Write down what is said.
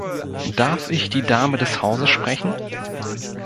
Darf ich die Dame des Hauses sprechen?